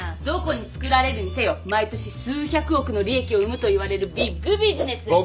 どこに造られるにせよ毎年数百億の利益を生むといわれるビッグビジネス。